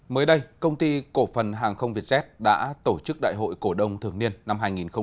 mới đây công ty cổ phần hàng không vietjet đã tổ chức đại hội cổ đông thường niên năm hai nghìn hai mươi bốn